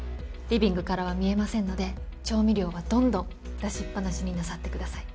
リビングからは見えませんので調味料はどんどん出しっぱなしになさってください。